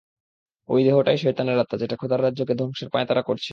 অই দেহটাই শয়তানের আত্মা যেটা খোদার রাজ্যকে ধ্বংসের পাঁয়তারা করছে!